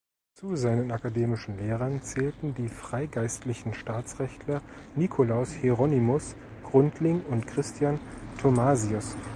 Zu seinen akademischen Lehrern zählten die freigeistigen Staatsrechtler Nicolaus Hieronymus Gundling und Christian Thomasius.